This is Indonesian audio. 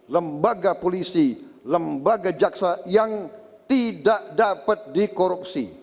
lembaga polisi lembaga jaksa yang tidak dapat dikorupsi